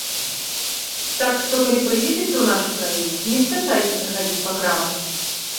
Так што, калі прыедзеце ў нашу краіну, не спяшаецеся хадзіць па крамах.